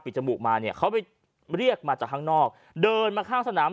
จมูกมาเนี่ยเขาไปเรียกมาจากข้างนอกเดินมาข้างสนาม